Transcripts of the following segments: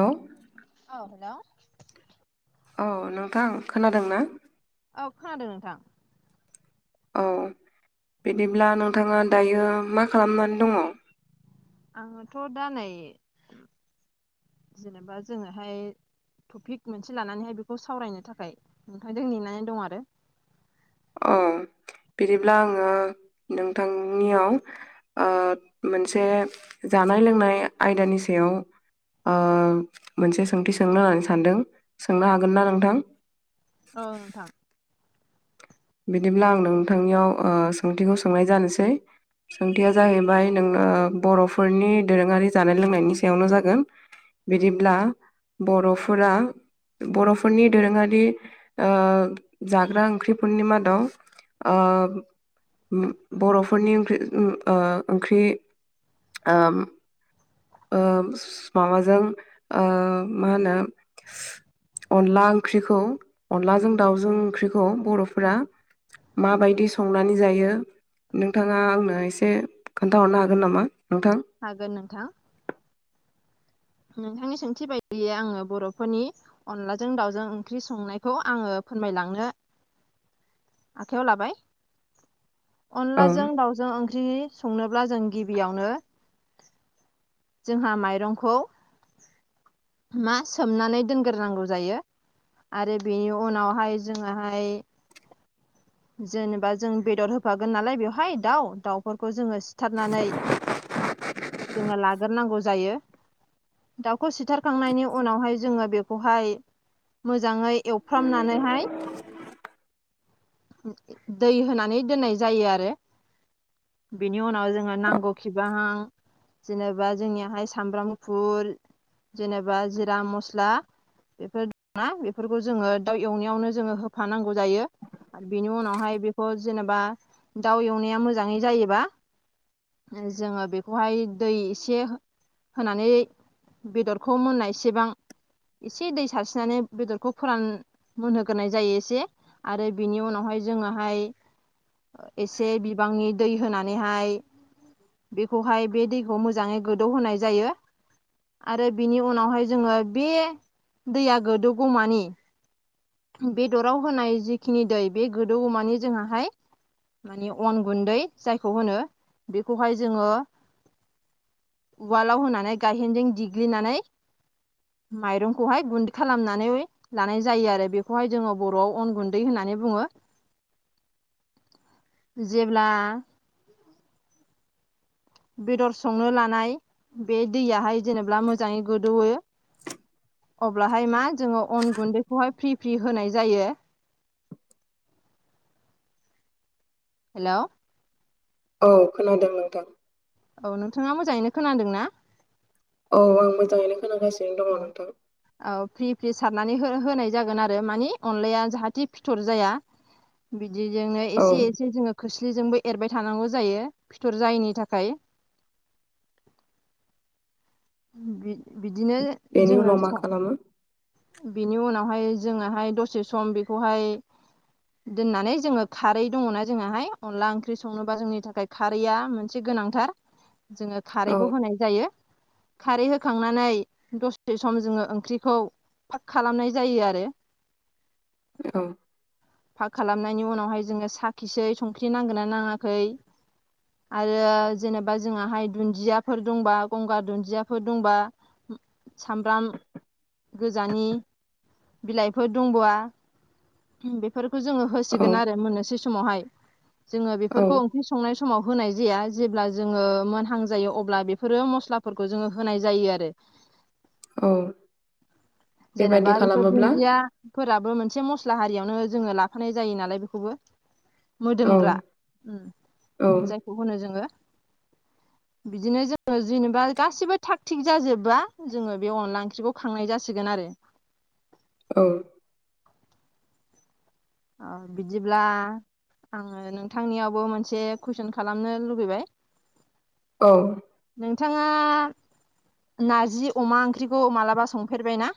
औ औ हेलौ औ नोंथां खोनादों ना? औ खोनादों नोंथां औ बिदिब्ला नोंथाङा दायो मा खालामनानै दङ आङोथ' दा नै जेनेबा जोङोहाय टपिक मोनसे लानानैहाय बेखौ सावरायनो थाखाय नोंथांजों नेनानै दं आरो औ बिदिब्ला आङो नोंथांनियाव ओ मोनसे जानाय लोंनाय आयदानि सायाव ओ मोनसे सोंथि सोंनो होननानै सानदों। सोंनो हागोन ना नोंथां? औ नोंथां बिदिब्ला आं नोंथांनियाव ओ सोंथिखौ सोंनाय जानोसै सोंथिया जाहैबाय नोङो बर'फोरनि दोरोङारि जानाय लोंनायनि सायावनो जागोन उम बिदिब्ला बर'फोरा बर'फोरनि दोरोङारि ओ जाग्रा ओंख्रि फोरनि मादाव ओ ओम बर'फोरनि ओंख्रि ओम ओ ओंख्रि ओम ओ माबाजों ओ मा होनो अनला ओंख्रिखौ अनलाजों दाउजों ओंख्रिखौ बर'फोरा माबायदि संनानै जायो नोंथाङा आंनो एसे खोन्थाहरनो हागोन नामा नोंथां? हागोन नोंथां। नोंथांनि सोंथि बायदियै आङो बर'फोरनि अनलाजों दाउजों ओंख्रि संनायखौ आङो फोरमायलांनो आखाइयाव लाबाय। औ अनलाजों दाउजों ओंख्रि संनोब्ला जों गिबियावनो जोंहा माइरंखौ मा सोमनानै दोनग्रोनांगौ जायो। आरो बेनि उनावहाय जोङोहाय [unintelligible] जेनेबा जों बेदर होफागोन नालाय बेवहाय दाउ, दाउफोरखौ जोङो सिथारनानै जोङो लाग्रोनांगौ जायो। दाउखौ सिथारखांनायनि उनावहाय जोङो बेखौहाय मोजाङै एवफ्रामनानैहाय दै होनानै दोननाय जायो आरो। बेनि उनाव जोङो नांगौखिबां जेनेबा जोंनियाहाय सामब्राम फुल जेनेबा जिरा मस्ला बेफोर मा बेफोरखौ जोङो दाउ एवनायावनो जोङो होफानांगौ जायो आरो बेनि उनावहाय बेखौ जेनेबा दाउ एवनाया मोजाङै जायोबा जोङो बेखौहाय दै एसे होनानै बेदरखौ मोननायसेबां एसे दै सारस्रिनानै बेदरखौ फोररान मोनहोग्रोनाय जायो एसे आरो बेनि उनावहाय जोङोहाय एसे बिबांनि दै होनानैहाय बेखौहाय बे दैखौ मोजाङै गोदौ होनाय जायो आरो बेनि उनावहाय जोङो बे दैया गोदौगौमानि बेदराव होनाय जिखिनि दै बे गोदौमानि जोंनाहाय माने अन गुन्दै जायखौ होनो, बेखौहाय जोङो उवालाव होनानै गायहेनजों देग्लिनानै माइरंखौहाय गुन्दै खालामनानै लानाय जायो आरो बे खौहाय जोङो बर'आव अन गुन्दै होननानै बुङो। जेब्ला बेदर संनो लानाय बे दैयाहाय जेनेबा मोजाङै गोदौवो अब्लाहाय मा जोङो अन गुन्दैखौहाय फ्रि फ्रि होनाय जायो। हेल'? औ खोनादों नोंथां। औ नोंथाङा मोजाङैनो खोनादों ना? औ आं मोजांङैनो खोनागासिनो दंङ नोंथां औ फ्रि फ्रि सारनानै हो होनाय जागोन आरो मानि अनलाया जाहाथे फिथर जाया। [inaudible] बिदिजोंनो एसे औ एसे जोंङो खोस्लिजोंबो एरबाय थानांगौ जायो फिथर जायैनि थाखाय। बिद-बिदिनो बेनि उनाव जोंङो मा सं खालामो बेनि उनावहाय जोङोहाय दसे सम बेखौहाय दोननानै जोङो खारै दङना जोंनाहाय अनला ओंख्रि संनोबा जोंनि थाखाय खारैया मोनसे गोनांथार, जोङो औ खारैखौ होनाय जायो। खारै होखांनानै दसे सम जोङो ओंख्रिखौ फाख खालामनाय जायो आरो। औ। फाख खालामनायनि उनावहाय जोंङो साखिसै संख्रि नांगोनना नांङाखै आरो जेनेबा जोंङाहाय दुन्दियाफोर दंबा गंगार दुन्दिया फोर दंबा सामब्राम गोजानि बिलाइफोर दंबा बेफोरखौ जोंङो औ होसिगोन आरो मोननोसै समावहाय जोंङो औ बेफोरखौ ओंख्रि संनाय समाव होनाय जाया जेब्ला जोंङो मोनहां जायो अब्ला बेफोरो मस्लाफोरखौ जोंङो होनाय जायो आरो। औ। बेबायदि जेनेबा बेफोर खालामोब्ला दुन्दियाफोराबो मोनसे मस्ला हारियावनो जोंङो लाफानाय जायो नालाय बेखौबो औ मोदोमग्रा औ जायखौ होनो जोंङो [inaudible] बिदिनो जोंङो जेनेबा गासिबो थाग थिग जाजोबबा जोंङो बे अनला ओंख्रिखौ खांनाय जा सिगोन आरो। औ। औ बिदिब्ला आंङो नोंथांनियावबो मोनसे कुइसन खालामनो लुुबैबाय औ। नोंथांङा नारजि अमा ओंख्रिखौ मालाबा संफेरबाय ना?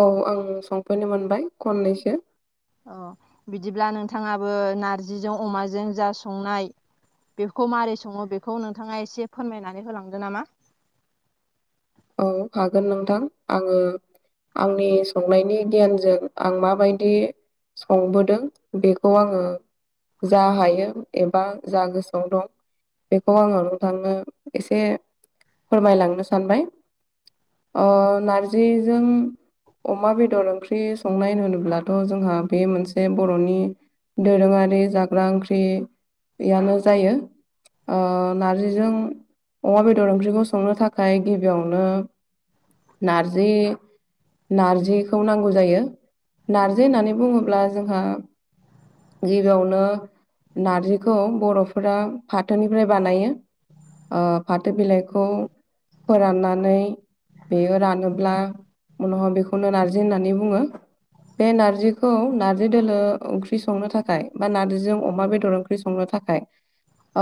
औ आं संफेरनो मोनबाय खननैसो। अ बिदिब्ला नोंथांङाबो नारजिजों अमाजों जा संनाय बेखौ मारै संङो बेखौ नोंथांङा एसे फोरमायनानै होलांदो नामा औ हागोन नोंथां आंङो आंनि संनायनि गियानजों आं माबायदि संबोदों बेखौ आंङो जा हायो एबा जा गोसोआव दं बेखौ आंङो नोंथांनो एसे फोरमायलांनो सानबाय। ओ नारजिजों अमा बेदर ओंख्रि संनाय होनोब्लाथ' जोंहा बे मोनसे बर'नि दोरोंङारि जाग्रा ओंख्रियानो जायो। ओ नारजिजों अमा बेदर ओंख्रिखौ संनो थाखाय गिबियाव संनो नारजि नारजिखौ नांगौ जायो। नारजि होननानै बुंङोब्ला जोंहा गिबियावनो नारजिखौ बर'फोरा फाथोनिफ्राय बानायो। ओ फाथो बिलाइखौ फोरानना नै बेयो रानोब्ला उनावहा बेखौनो नार्जि होननानै बुंङो। बे नारजिखौ नार्जि दोलो ओंख्रि संनो थाखाय बा नारजिजों अमा बेदर ओं ख्रि संनो थाखाय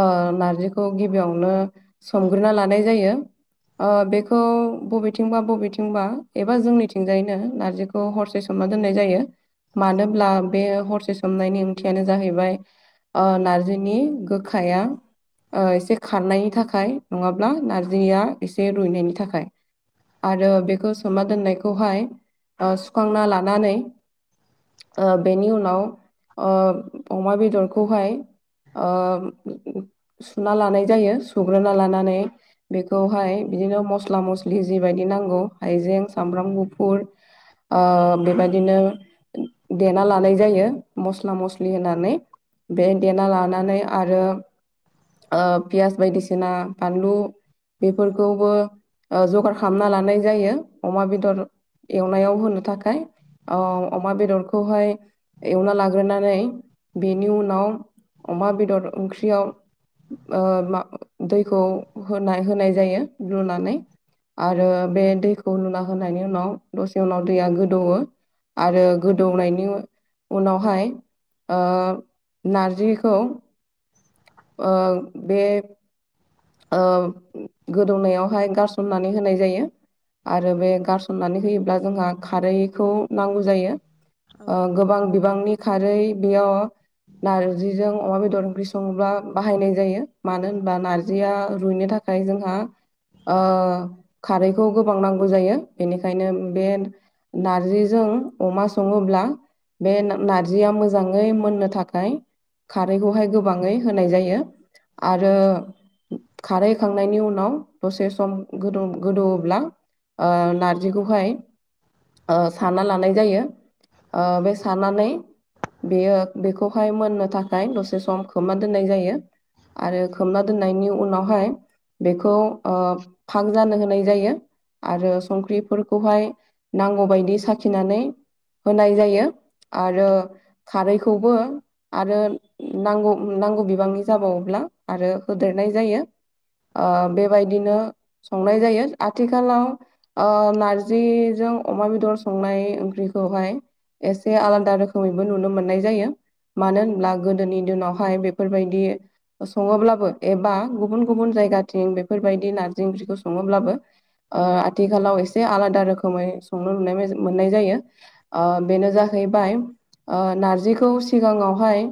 ओ नारजिखौ गिबियावनो सोमग्रोना लानाय जायो ओ बे खौ बबेथिंबा बबेथिंबा एबा जोंनिथिंजायैनो नारजिखौ हरसे सोमना दोननाय जायो। मानोब्ला बे हरसे सोमनायनि ओंथियानो जाहैबाय ओ नारजिनि गोखाया ओ एसे खारनायनि थाखाय नंङाब्ला नारजिया एसे रुइनायनि थाखाय। आरो बेखौ सोमना दोननायखौहाय ओ सुखांना लानानै बेनि उनाव ओ अमा बेदरखौहाय ओ सुना लानाय जायो सुग्रोना लानानै बेखौहाय बिदिनो मस मस्ला मस्लि जिबायदि नांगौ हाइजें सामब्राम गुफुर ओ बेबायदिनो देना लानाय जायो मस्ला मस्लि होनानै बे देना लानानै आरो ओ पियास बायदिसिना बानलु बेफोरखौबो ओ जगार खालामना लानाय जायो अमा बेदर एवनायाव होनो थाखाय ओ अमा बेदरखौहाय एवना लाग्रोनानै बेनि उनाव अमा बेदर ओंख्रियाव ओ मा दैखौ होनाय होनाय जायो लुनानै आरो बे दैखौ लुना होनायनि उनाव दसे उनाव दैया गोदौवो आरो गोदौनायनि उनावहाय ओ नार्जिखौ ओ बे ओ गोदौनायावहाय गारसननानै होनाय जायो आरो बे गारसननानै होयोब्ला जोंहा खारैखौ नांगौ जायो। ओ गोबां बिबांनि खारै बेयाव नार्जिजों अमा बेदर ओंख्रि सङोब्ला बाहायनाय जायो मानो होनबा नारज जैया रुइनो थाखाय जोंहा ओ खारैखौ गोबां नांगौ जायो बेनिखायनो बे नार्जिजों अमा सङोब्ला बे नार्जिया मोजाङै मोननो थाखाय खारैखौहाय गोबाङै होनाय जायो आरो खारै होखांनायनि उनाव दसे सम गोदौ गोदौवोब्ला ओ नार्जिखौहाय ओ साना लानाय जायो ओ बे साननानै बेयो बेखौ फाय मोननो थाखाय दसे सम खोबना दोननाय जायो आरो खोबना दोननायनि उ उनावहाय बेखौ ओ फाग जानो होनाय जायो आरो संख्रिफोरखौहाय नांगौबायदि साखिनानै होनाय जायो आरो खारैखौबो आरो नांगौ नांगौ बिबांनि जाबावोब्ला आरो होदेरनाय जायो। ओ बेबायदिनो संनाय जायो आथिखालाव ओ नारिजिजों अमा बेदर संनाय ओंख्रिखौहाय एसे आलादा रोखोमैबो नुनो मोननाय जायो। मानो होनब्ला गोदोनि दिनावहाय बेफोरबायदि सङोब्लाबो एबा गुबुन गुबुन जायगाथिं बेफोरबायदि नार्जि ओंख्रिखौ सङोब्लाबो ओ आथिखालाव एसे आलादा रोखोमै संनो नुनाय मोननाय जायो। ओ बेनो जाहैबाय ओ नार्जिखौ सिगाङावहाय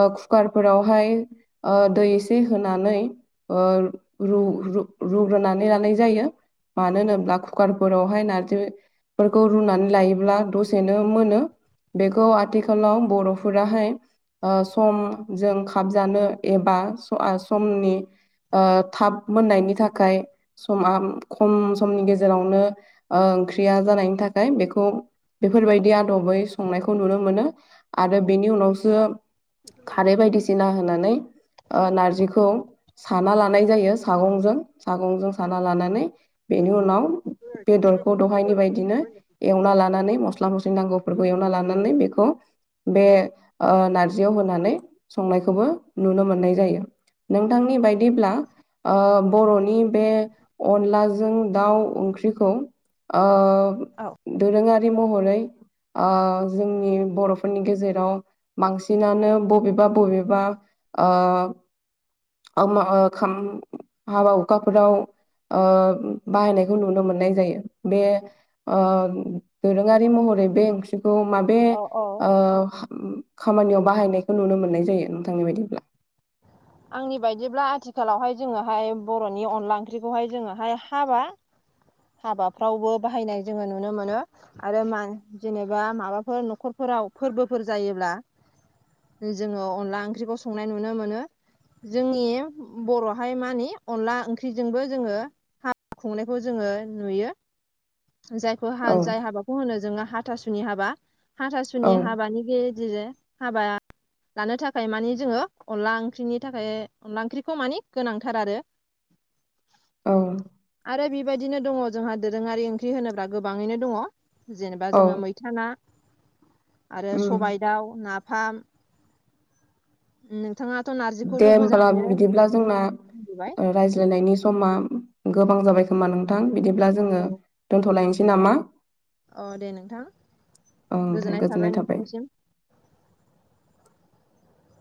ओ कुकारफोरावहाय ओ दै एसे होनानै ओ रु-रु-रुग्रोनानै लानाय जायो। मानो होनोब्ला कुकारफोरावहाय नार्जि फोरखौ रुनानै लायोब्ला दसेनो मोनो बेखौ आथिखालाव बर'फोराहाय ओ समजों खाबजानो एबा स'आ समनि ओ थाब मोननायनि थाखाय समा खम समनि गेजेरावनो ओ ओंख्रिया जानायनि थाखाय बेखौ बेफोरबायदि आदबै संनायखौ नुनो मोनो आरो बेनि उनावसो खारै बायदिसिना होनानै ओ नार्जिखौ साना लानाय जायो सागंजों सागंजों साना लानानै बेनि उनाव बेदरखौ दहायनि बायदिनो एवना लानानै मस्ला मस्लि नांगौफोरखौ एवना लानानै बेखौ बे नारजियाव होनानै संनायखौबो नुनो मोन्नाय जायो नोंथांनि बायदिब्ला बर'नि बे अनलाजों दाउ ओंख्रिखौ ओ औ दोरोङारि महरै जोंनि बर'फोरनि गेजेराव बांसिनानो बबेबा बबेबा ओ म हाबा हुखाफोराव ओ बाहायनायखौ नुनो मोननाय जायो बे ओ दोरोङारि महरै बे ओंख्रिखौ माब बे औ खामानियाव बाहायनायखौ नुनो मोननाय जायो नोंथांनि बायदिब्ला आंनि बायदिब्ला आथिखालावहाय जोङोहाय बर'नि अनला ओंख्रिखौहाय जोङोहाय हाबा हाबाफ्रावबो बाहायनाय जोङो नुनो मोनो आरो मां जेनेबा माबाफोर न'खरफोराव फोरबोफोर जायोब्ला जोङो अनला ओंख्रिखौ संनाय नुनो मो जोंनि बर'हाय मानि अनला ओंख्रिजोंबो जोङो हा खुंनायखौ जोङो नुयो औ जाय जाय हाबाखौ होनो जोङो हाथासुनि हाबा औ हाथासुनि हाबानि ग जिजे हाबा लानो थाखाय मानि जोङो अनला ओंख्रिनि थाखाय अनला ओंख्रिखौ मानि गोनांथार आरो औ आरो बेबायदिनो दङ जोंहा दोरोङारि ओंख्रि होनोब्ला गोबाङैनो दङ जेनेबा औ जोङो मै फथाना आरो उम सबायाइ दाउ नाफाम [unintelligible] थाङथ' नार दे होब्लाम बिदिब्ला जोंना बुंबोबाय रायज्लायनायनि समा गोबां जाबाय खोमा नोंथां बिदिब्ला जोङो दोनथ'लायनोसै नामा? अ दे नोंथां गोजोननाय थाबाय नोंथांनिसिम